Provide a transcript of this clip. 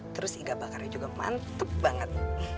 terus iga bakarnya juga mantep banget